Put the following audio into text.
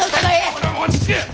こら落ち着け！